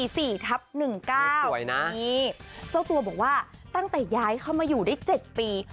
นี่เจ้าตัวบอกว่าตั้งแต่ย้ายเข้ามาอยู่ได้๗ปี